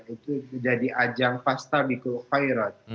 itu jadi ajang pasta diku kairat